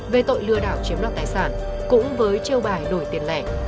về tội lừa đảo chiếm đoạt tài sản cũng với chiêu bài đổi tiền lẻ